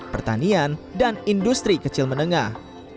pertanian dan industri kecil menengah